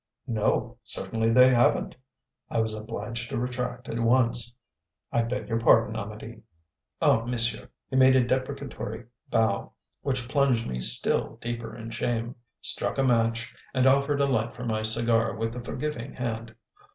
"No, certainly they haven't," I was obliged to retract at once. "I beg your pardon, Amedee." "Ah, monsieur!" He made a deprecatory bow (which plunged me still deeper in shame), struck a match, and offered a light for my cigar with a forgiving hand.